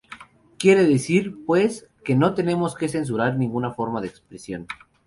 Quiere decir, pues, que no tenemos que censurar ninguna forma de expresión.